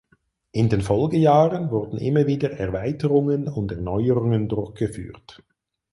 In den Folgejahren wurden immer wieder Erweiterungen und Erneuerungen durchgeführt.